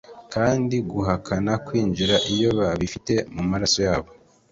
Kandi guhakana kwinjira iyo babifite mumaso yabo